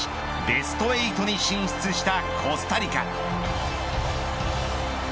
ベスト８に進出したコスタリカ。